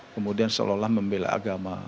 kemudian seolah olah membela agama